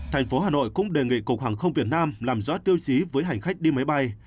thành phố hà nội cũng đề nghị cục hàng không việt nam làm rõ tiêu chí với hành khách đi máy bay